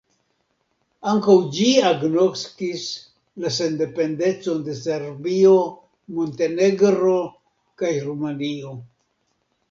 Ankaŭ ĝi agnoskis la sendependecon de Serbio, Montenegro kaj Rumanio.